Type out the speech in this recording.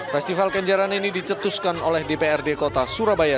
festival kenjaran ini dicetuskan oleh dprd kota surabaya